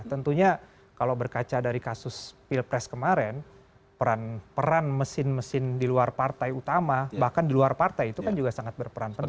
tentunya kalau berkaca dari kasus pilpres kemarin peran mesin mesin di luar partai utama bahkan di luar partai itu kan juga sangat berperan penting